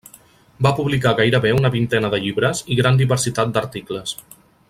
Va publicar gairebé una vintena de llibres i gran diversitat d'articles.